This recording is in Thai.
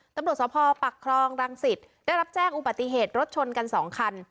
ตำรวจสภปักครองรังสิตได้รับแจ้งอุบัติเหตุรถชนกัน๒คัน